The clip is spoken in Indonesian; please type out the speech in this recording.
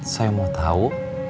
saya mau tahu